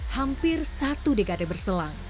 hampir satu dekade berselang